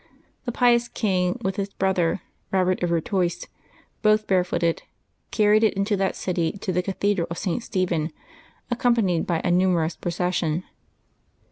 The pious king, with his brother, Robert of Artois, both barefooted, carried it into that city to the Cathedral of St. Stephen, accompanied by a numerous procession.